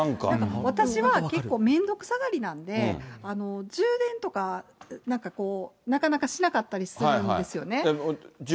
私は結構、めんどくさがりなんで、充電とか、なんかこう、なかなかしなかったりするんですよね。